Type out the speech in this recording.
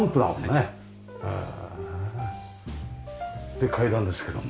で階段ですけども。